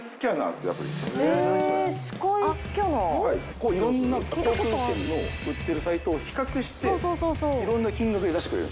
ここいろんな航空券の売ってるサイトを比較していろんな金額で出してくれるんですね。